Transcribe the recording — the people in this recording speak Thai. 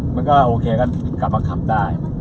มันก็โอเคก็กลับมาขับได้